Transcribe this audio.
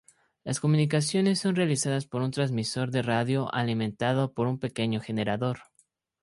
Las comunicaciones son realizadas por un transmisor de radio alimentado por un pequeño generador.